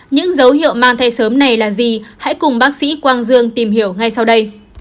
những dấu hiệu mang thai sớm này là gì hãy cùng bác sĩ quang dương tìm hiểu ngay sau đây